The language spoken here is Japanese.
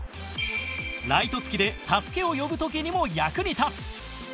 ライト付きで助けを呼ぶ時にも役に立つ！